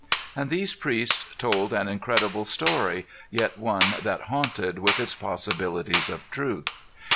And these priests told an incredible story, yet one that haunted with its possibilities of truth.